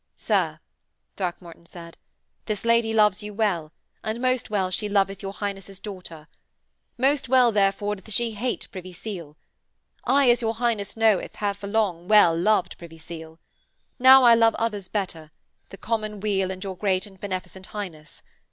'Sir,' Throckmorton said, 'this lady loves you well, and most well she loveth your Highness' daughter. Most well, therefore, doth she hate Privy Seal. I, as your Highness knoweth, have for long well loved Privy Seal. Now I love others better the common weal and your great and beneficent Highness.